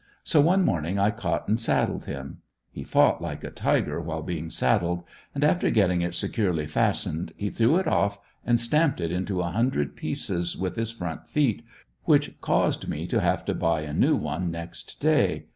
So one morning I caught and saddled him. He fought like a tiger while being saddled; and after getting it securely fastened he threw it off and stamped it into a hundred pieces, with his front feet, which caused me to have to buy a new one next day.